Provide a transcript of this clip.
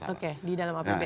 oke di dalam apbn